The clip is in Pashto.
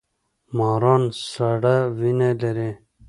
ماران سړه وینه لري